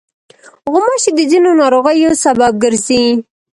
غوماشې د ځینو ناروغیو سبب ګرځي.